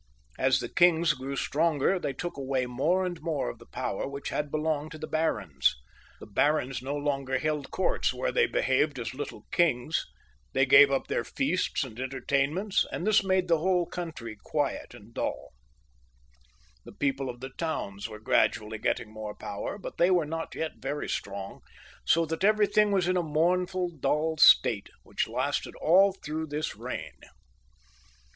As the kings grew stronger, they took away more and more of the power which had belonged to their barons. The barons no longer held courts where they behaved as little kings ; they gave up their feasts and entertainments ; and this made the whole country quiet and dulL The people of the towns were gradually getting more power ; but they were not yet very strong, so that everything was in a mournful, dull state, which lasted all through this reign.